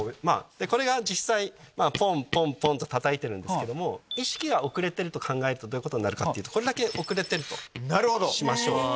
これが実際ポンポンポンとたたいてるんですけども意識が遅れてると考えるとどういうことになるかというとこれだけ遅れてるとしましょう。